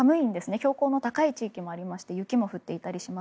標高の高い地域もありまして雪も降っていたりします。